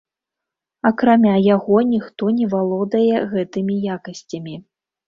Акрамя яго ніхто не валодае гэтымі якасцямі.